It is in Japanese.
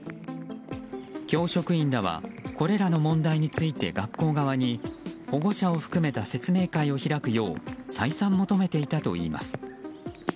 教職員らはこれらの問題について学校側に保護者を含めた説明会を開くよう再三求めていたといいます。